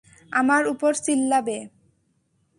আমার উপর চিল্লাবে।